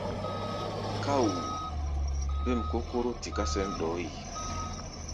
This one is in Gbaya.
Káu̧u̧, bêm kó Kóró tiká sɛ̌n ɗɔɔ́ yi.